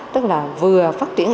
tức là vừa phát triển y tế